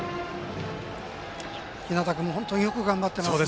日當君も本当によく頑張っていますね。